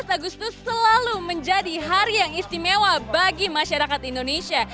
tujuh belas agustus selalu menjadi hari yang istimewa bagi masyarakat indonesia